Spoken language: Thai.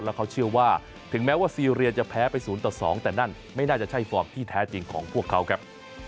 แล้วเขาเชื่อว่าถึงแม้ว่าซีเรียจะแพ้ไป๐ต่อ๒แต่นั่นไม่น่าจะใช่ฟอร์มที่แท้จริงของพวกเขาครับ